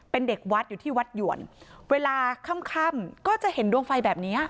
เป็นเด็กวัดอยู่ที่วัดหยวนเวลาค่ำค่ำก็จะเห็นดวงไฟแบบเนี้ย